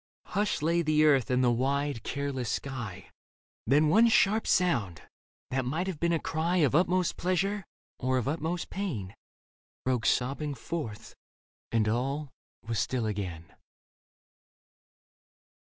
Hushed lay the earth and the wide, careless sky. Then one sharp sound, that might have been a cry Of utmost pleasure or of utmost pain. Broke sobbing forth, and all was still again.